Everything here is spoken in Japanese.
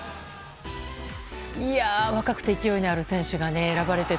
若くて勢いのある選手が選ばれて。